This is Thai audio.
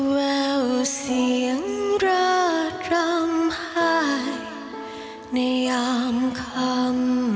แววเสียงราชร้ำให้ในยามคำ